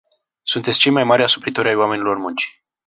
Sunteți cei mai mari asupritori ai oamenilor muncii.